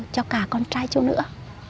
cho cả con trai chủ nữa